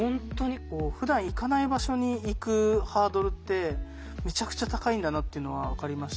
ふだん行かない場所に行くハードルってめちゃくちゃ高いんだなっていうのは分かりましたね。